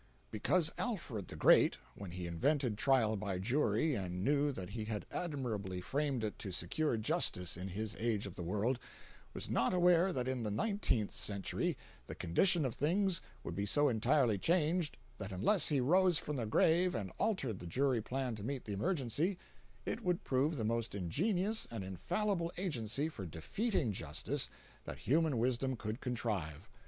Because Alfred the Great, when he invented trial by jury and knew that he had admirably framed it to secure justice in his age of the world, was not aware that in the nineteenth century the condition of things would be so entirely changed that unless he rose from the grave and altered the jury plan to meet the emergency, it would prove the most ingenious and infallible agency for defeating justice that human wisdom could contrive.